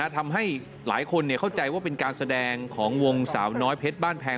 ทำให้หลายคนเข้าใจว่าเป็นการแสดงของวงสาวน้อยเพชรบ้านแพง